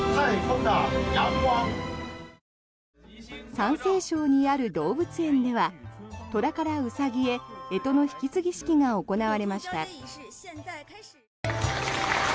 山西省にある動物園では虎からウサギへ干支の引き継ぎ式が行われました。